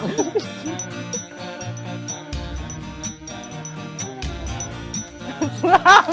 karena udah buka gitu